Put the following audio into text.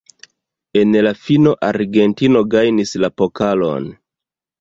En la fino, Argentino gajnis la pokalon.